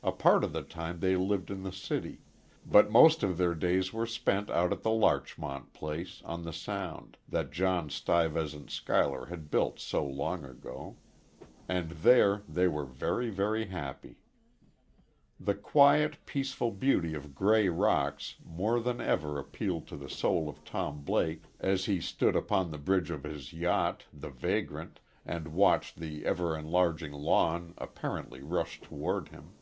A part of the time they lived in the city; but most of their days were spent out at the Larchmont place, on the Sound, that John Stuyvesant Schuyler had built so long ago. And there they were very, very happy. The quiet, peaceful beauty of "Grey Rocks" more than ever appealed to the soul of Tom Blake as he stood upon the bridge of his yacht, "The Vagrant," and watched the ever enlarging lawn apparently rush toward him.